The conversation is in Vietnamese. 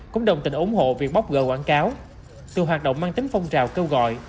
cũng đồng tình ủng hộ việc bóc gỡ quảng cáo từ hoạt động mang tính phong trào kêu gọi